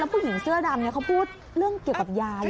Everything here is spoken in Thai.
ผู้หญิงเสื้อดำเขาพูดเรื่องเกี่ยวกับยา